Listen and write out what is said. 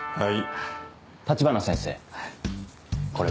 はい。